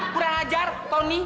kurang ajar tony